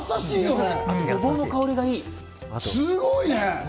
すごいね。